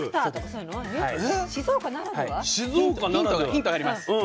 ヒントあります。